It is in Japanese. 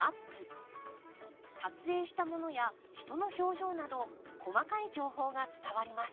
撮影したものや人の表情など細かい情報が伝わります。